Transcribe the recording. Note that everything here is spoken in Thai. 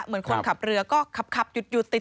เหมือนคนขับเรือก็ขับหยุดติด